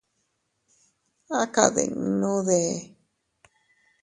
¿A kadinnuudee?.